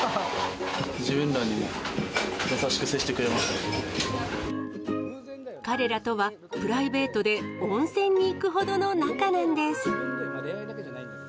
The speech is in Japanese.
自分らに優しく接してくれま彼らとは、プライベートで温泉に行くほどの仲なんです。